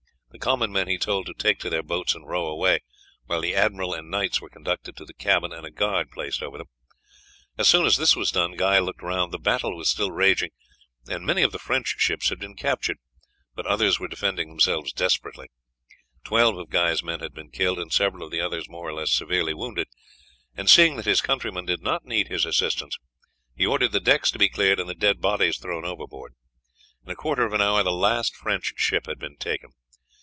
The common men he told to take to their boats and row away, while the admiral and knights were conducted to the cabin, and a guard placed over them. As soon as this was done Guy looked round; the battle was still raging and many of the French ships had been captured, but others were defending themselves desperately. Twelve of Guy's men had been killed, and several of the others more or less severely wounded, and seeing that his countrymen did not need his assistance, he ordered the decks to be cleared and the dead bodies thrown overboard. In a quarter of an hour, the last French ship had been taken.